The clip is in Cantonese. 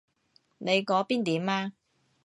你嗰邊點啊？